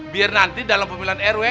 biar nanti dalam pemilihan rw